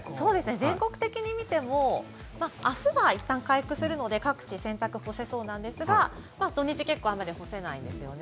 全国的に見ても明日はいったん回復するので各地洗濯物を干せそうですが、土日は雨で干せないですね。